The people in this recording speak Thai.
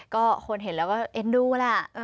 ก็คนเห็นแล้วก็เอ็นดูแหละ